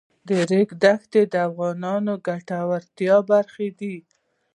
د ریګ دښتې د افغانانو د ګټورتیا برخه ده.